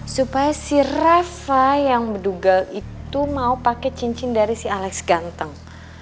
supaya si rafa yang mendugal itu mau pakai cincin dari si alex ganteng